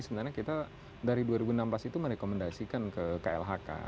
sebenarnya kita dari dua ribu enam belas itu merekomendasikan ke klhk